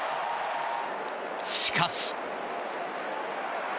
しかし。